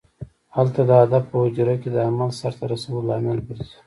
هلته د هدف په حجره کې د عمل سرته رسولو لامل ګرځي.